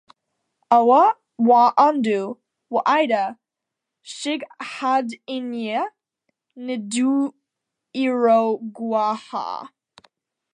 Aw'a w'andu w'aida shighadinyi ndew'iroghuaa.